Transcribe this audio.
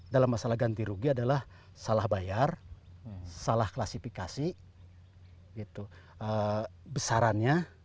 dalam masalah ganti rugi adalah salah bayar salah klasifikasi besarannya